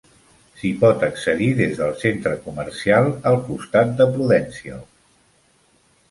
S'hi pot accedir des del centre comercial al costat de Prudential.